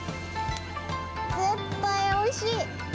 絶対おいしい！